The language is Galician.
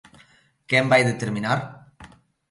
¿Quen vai determinar?